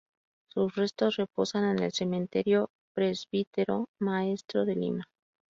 Sus restos reposan en el Cementerio Presbítero Maestro de Lima.